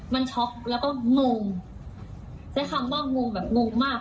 มันช็อกแล้วก็งงแสดงว่างงงแบบงงมาก